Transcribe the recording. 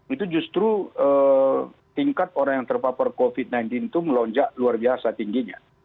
itu justru tingkat orang yang terpapar covid sembilan belas itu melonjak luar biasa tingginya